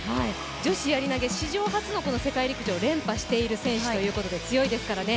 女子やり投史上初の世界陸上連覇をしている選手で強いですからね。